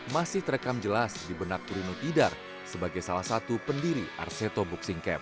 masih terekam jelas di benak runu tidar sebagai salah satu pendiri arseto boxing camp